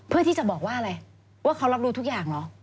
เพื่อที่จะบอกว่าอะไรว่าเขารับรู้ทุกอย่างเหรอ